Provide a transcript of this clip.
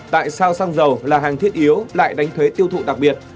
tại sao xăng dầu là hàng thiết yếu lại đánh thuế tiêu thụ đặc biệt